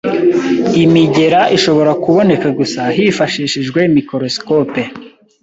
Imigera irashobora kuboneka gusa hifashishijwe microscope.